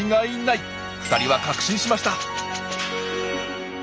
２人は確信しました。